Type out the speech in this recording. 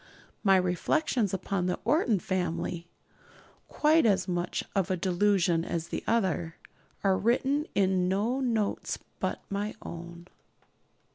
My reflections upon the Orton family quite as much of a delusion as the other are written in no notes but my own.